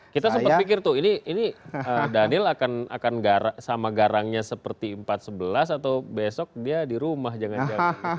kita sempat pikir tuh ini daniel akan sama garangnya seperti empat sebelas atau besok dia di rumah jangan jangan